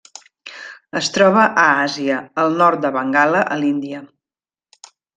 Es troba a Àsia: el nord de Bengala a l'Índia.